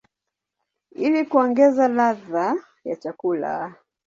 ili kuongeza ladha ya chakula.